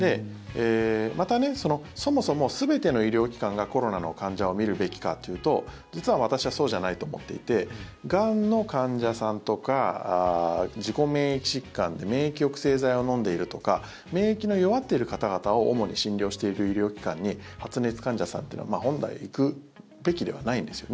また、そもそも全ての医療機関がコロナの患者を診るべきかっていうと実は私はそうじゃないと思っていてがんの患者さんとか自己免疫疾患で免疫抑制剤を飲んでいるとか免疫の弱っている方々を主に診療している医療機関に発熱患者さんってのは本来行くべきではないんですね。